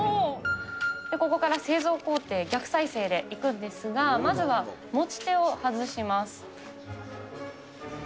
ここから製造工程、逆再生でいくんですが、まずは持ち手を外します。